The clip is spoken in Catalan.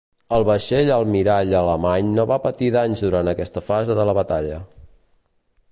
El vaixell almirall alemany no va patir danys durant aquesta fase de la batalla.